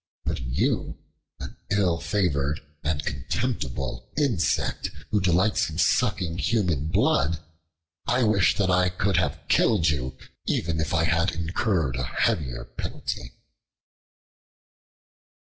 But you, an ill favored and contemptible insect who delights in sucking human blood, I wish that I could have killed you even if I had incurred a heavier penalty."